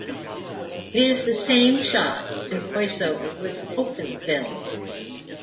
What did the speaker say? It is the same shot and voiceover which open the film.